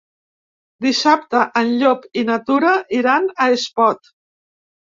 Dissabte en Llop i na Tura iran a Espot.